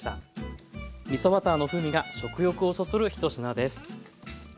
みそバターの風味が食欲をそそる１品です。